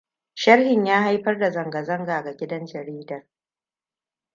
Sharhin ya haifar da zanga-zanga ga gidan jaridar.